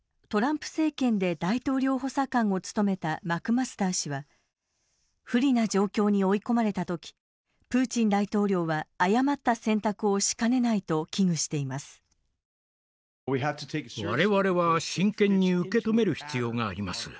トランプ政権で大統領補佐官を務めたマクマスター氏は不利な状況に追い込まれたときプーチン大統領は誤った選択をしかねないと危惧しています。